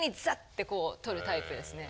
てこう録るタイプですね。